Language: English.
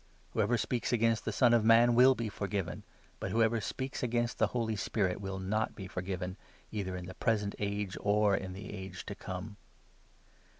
Whoever 32 speaks against the Son of Man will be forgiven, but whoever speaks against the Holy Spirit will not be forgiven, either in the present age, or in the age to come.